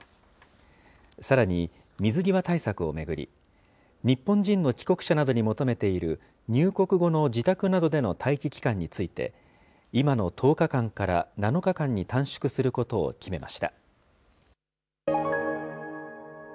さらに水際対策を巡り、日本人の帰国者などに求めている入国後の自宅などでの待機期間について、今の１０日間から７日間に短縮することを決めました。